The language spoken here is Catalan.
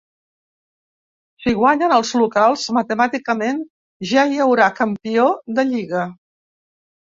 Si guanyen els locals, matemàticament ja hi haurà campió de lliga.